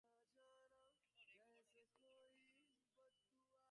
এখন, এই গ্রহটারে চিরতরে বিদায় জানানোর সময় এসেছে।